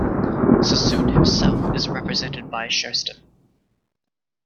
Sassoon himself is represented by Sherston.